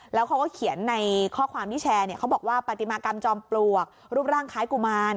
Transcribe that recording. แล้วเขาก็เขียนในข้อความที่แชร์เนี่ยเขาบอกว่าปฏิมากรรมจอมปลวกรูปร่างคล้ายกุมาร